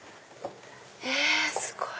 えすごい！